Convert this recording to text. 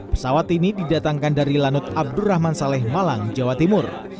pesawat ini didatangkan dari lanut abdurrahman saleh malang jawa timur